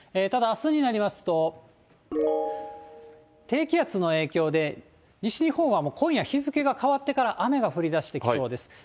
ただ、あすになりますと、低気圧の影響で、西日本は今夜日付が変わってから、雨が降りだしてきそうです。